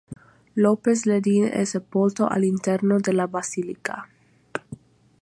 Lopez-Lledin è sepolto all'interno della basilica.